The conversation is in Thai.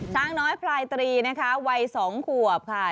ช้างน้อยพลายตรีนะคะวัย๒ขวบค่ะ